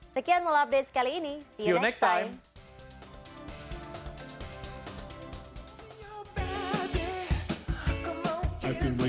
sekian mola update sekali ini see you next time